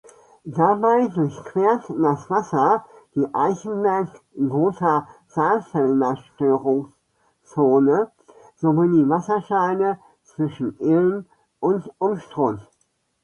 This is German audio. Dabei durchquert das Wasser die Eichenberg–Gotha–Saalfelder Störungszone sowie die Wasserscheide zwischen Ilm und Unstrut.